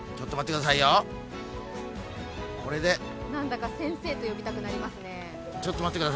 何だか先生と呼びたくなりますね。